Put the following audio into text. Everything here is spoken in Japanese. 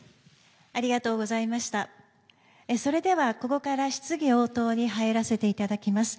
それではここから質疑応答に入らせていただきます。